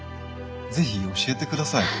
是非教えてください。